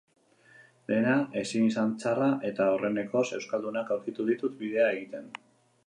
Dena ezin izan txarra eta aurrenekoz euskaldunak aurkitu ditut bidea egiten.